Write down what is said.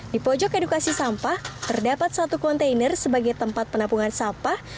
di pojok edukasi sampah terdapat satu kontainer sebagai tempat penampungan sampah